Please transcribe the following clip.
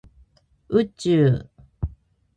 宇宙